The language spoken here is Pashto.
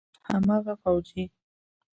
هماغه فوجي.